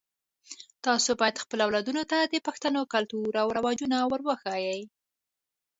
تاسو باید خپلو اولادونو ته د پښتنو کلتور او رواجونه ور وښایئ